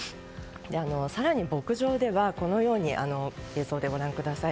更に、牧場では、このように映像でご覧ください。